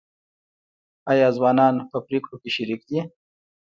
آیا ځوانان په پریکړو کې شریک دي؟